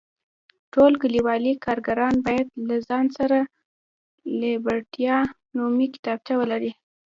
ټول کلیوالي کارګران باید له ځان سره لیبرټا نومې کتابچه ولري.